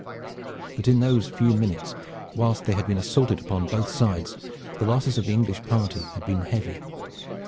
But in those few minutes whilst they had been assaulted upon both sides, the losses of the English party had been heavy.